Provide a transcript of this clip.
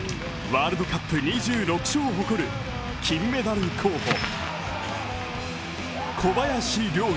ワールドカップ２６勝を誇る金メダル候補、小林陵